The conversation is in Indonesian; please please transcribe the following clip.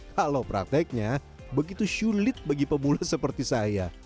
kalau prakteknya begitu sulit bagi pemula seperti saya